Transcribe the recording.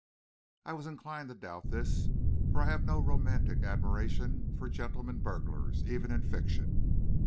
I was inclined to doubt this, for I have no romantic admiration for gentlemen burglars, even in fiction.